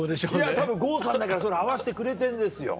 たぶん郷さんだから合わせてくれてんですよ。